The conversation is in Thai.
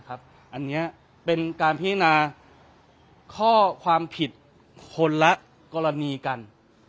อันนี้เป็นการพิจารณาข้อความผิดคนละกรณีกัน